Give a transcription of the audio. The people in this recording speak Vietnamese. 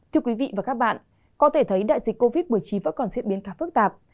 thưa quý vị và các bạn có thể thấy đại dịch covid một mươi chín vẫn còn diễn biến khá phức tạp